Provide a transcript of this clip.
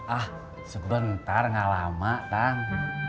ah sebentar gak lama kang